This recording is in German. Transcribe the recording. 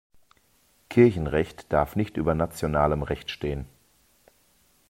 Kirchenrecht darf nicht über nationalem Recht stehen.